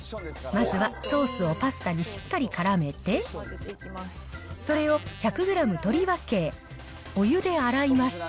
まずはソースをパスタにしっかりからめて、それを１００グラム取り分け、お湯で洗います。